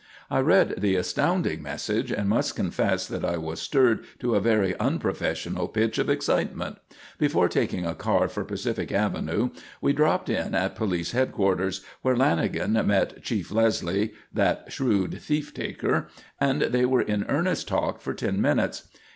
I read the astounding message and must confess that I was stirred to a very unprofessional pitch of excitement. Before taking a car for Pacific Avenue, we dropped in at police headquarters where Lanagan met Chief Leslie, that shrewd thief taker, and they were in earnest talk for ten minutes.